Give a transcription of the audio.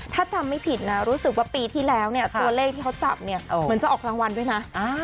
ถ้าจำไม่ผิดนะรู้สึกว่าปีที่แล้วเนี่ยตัวเลขที่เขาจับเนี่ยเหมือนจะออกรางวัลด้วยนะ